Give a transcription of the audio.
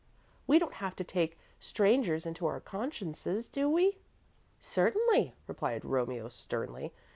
We don't have to take strangers into our consciences, do we?" "Certainly," replied Romeo, sternly.